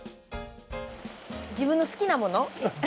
自分の好きなもの。